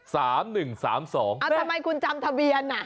ทำไมคุณจำทะเบียนอ่ะ